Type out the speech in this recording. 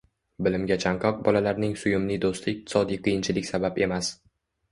bilimga chanqoq bolalarning suyumli do‘sti iqtisodiy qiyinchilik sabab emas